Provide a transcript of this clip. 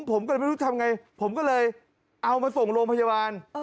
ผมก็เลยไม่รู้ทำไงผมก็เลยเอามาส่งโรงพยาบาล